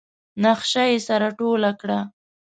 نخشه يې سره ټوله کړه.